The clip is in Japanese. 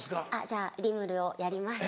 じゃあリムルをやります。